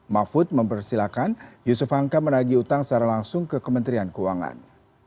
mahfud mempersilahkan yusuf hamka menagih utang secara langsung ke kementerian keuangan